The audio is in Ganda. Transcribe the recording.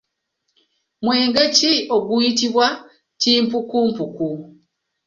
Mwenge ki oguyitibwa kimpukumpuku?